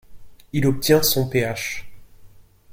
Il obtient son Ph.